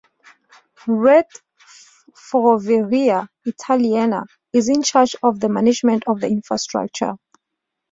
Rete Ferroviaria Italiana is in charge of the management of the infrastructure.